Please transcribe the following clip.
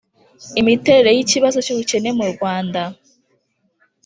imiterere y'ikibazo cy'ubukene mu rwanda